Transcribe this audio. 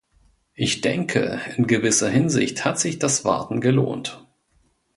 Ich denke, in gewisser Hinsicht hat sich das Warten gelohnt.